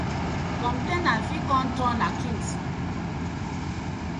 Complainant fit com turn accused.